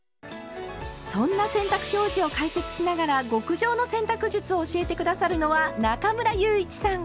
そんな洗濯表示を解説しながら極上の洗濯術を教えて下さるのは中村祐一さん。